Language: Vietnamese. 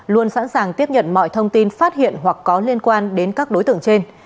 luôn sẵn sàng tiếp nhận mọi thông tin phát hiện hoặc có liên quan đến các đối tượng trên